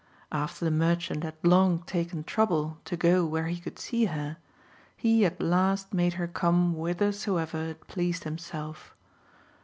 After the merchant had long taken trouble to go where he could see her, he at last made her come whithersoever it pleased himself.